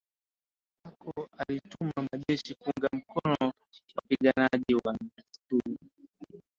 ambako alituma majeshi kuunga mkono wapiganaji wa msituni